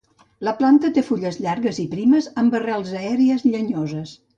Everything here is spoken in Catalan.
La planta té fulles llargues i primes amb arrels aèries llenyoses.